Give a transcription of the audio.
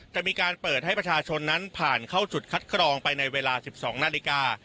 จะมีการเปิดให้ประชาชนนั้นผ่านเข้าจุดคัดกรองไปในเวลา๑๒นาฬิกา